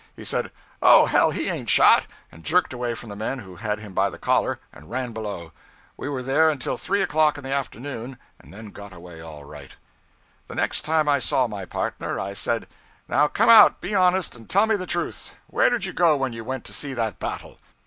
He said, 'Oh, hell, he ain't shot,' and jerked away from the men who had him by the collar, and ran below. We were there until three o'clock in the afternoon, and then got away all right. The next time I saw my partner, I said, 'Now, come out, be honest, and tell me the truth. Where did you go when you went to see that battle?'